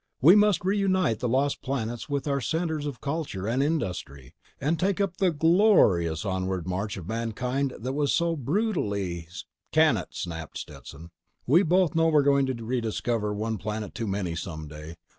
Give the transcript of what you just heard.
"We must reunite the lost planets with our centers of culture and industry, and take up the glor ious onward march of mankind that was so bru tally—" "Can it!" snapped Stetson. "We both know we're going to rediscover one planet too many some day.